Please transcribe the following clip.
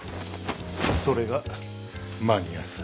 それがマニアさ。